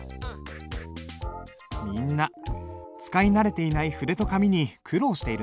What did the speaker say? みんな使い慣れていない筆と紙に苦労しているね。